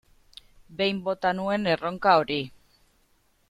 Behin bota nuen erronka hori.